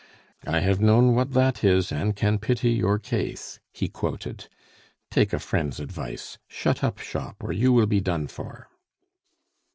'I have known what that is, and can pity your case,'" he quoted. "Take a friend's advice: Shut up shop, or you will be done for."